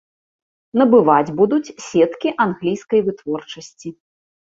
Набываць будуць сеткі англійскай вытворчасці.